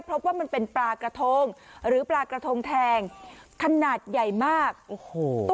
พบว่ามันเป็นปลากระทงหรือปลากระทงแทงขนาดใหญ่มากโอ้โห